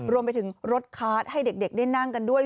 รวมไปถึงรถคาร์ดให้เด็กได้นั่งกันด้วย